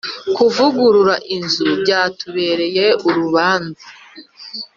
Kuvugurura inzu byatubereye urubanza